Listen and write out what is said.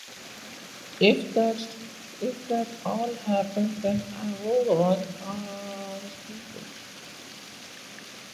If that all happens then I will run for Speaker.